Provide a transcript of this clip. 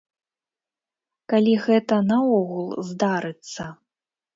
Калі гэта наогул здарыцца.